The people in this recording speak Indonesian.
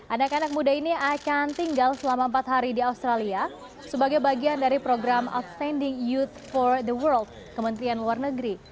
anak anak muda ini akan tinggal selama empat hari di australia sebagai bagian dari program outstanding youth for the world kementerian luar negeri